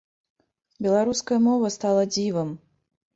Беларуская мова стала дзівам!